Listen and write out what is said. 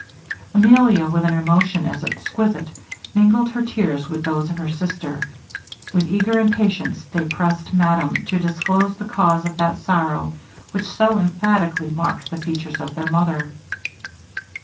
Emilia, with an emotion as exquisite, mingled her tears with those of her sister. With eager impatience they pressed madame to disclose the cause of that sorrow which so emphatically marked the features of their mother.